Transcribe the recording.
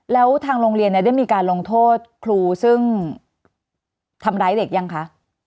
แล้วทางโรงเรียนได้มีการลงโทษครูซึ่งทำร้ายเด็กยังคะ